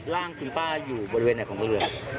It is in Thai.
ร่างคุณพ่ออยู่บริเวณไหนของบริเวณ